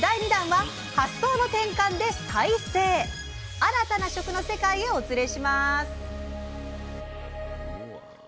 新たな食の世界へお連れします！